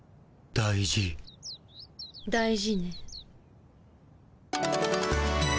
大事ね。